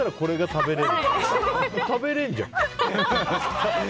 食べれんじゃん。